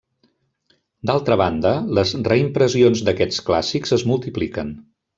D'altra banda, les reimpressions d'aquests clàssics es multipliquen.